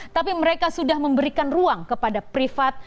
tapi mereka sudah memberikan ruang kepada privat